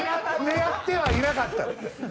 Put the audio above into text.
狙ってはいなかった。